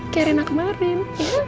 kayak rena kemarin